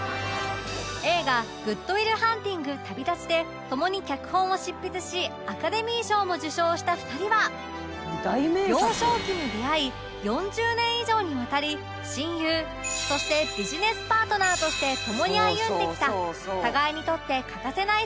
映画『グッド・ウィル・ハンティング／旅立ち』でともに脚本を執筆しアカデミー賞も受賞した２人は幼少期に出会い４０年以上にわたり親友そしてビジネスパートナーとしてともに歩んできた互いにとって欠かせない存在